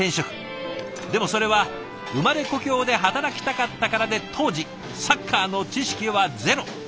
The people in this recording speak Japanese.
でもそれは生まれ故郷で働きたかったからで当時サッカーの知識はゼロ。